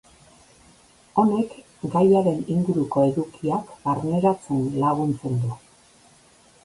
Honek gaiaren inguruko edukiak barneratzen laguntzen du.